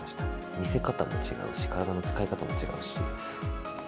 見せ方も違うし、体の使い方も違うし。